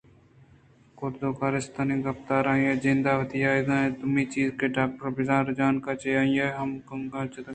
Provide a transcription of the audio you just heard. کردءُ کارستانی گپتار ءُآئی ءِ جندءِوطن ئیگ اِنت دومی چیز کہ ڈاکٹر بیزن ءِ رجانک ءَ چہ آئی ءِ ہم گنگلّاں جتا کنت